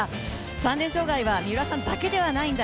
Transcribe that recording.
３０００ｍ障害は三浦さんだけではないんだ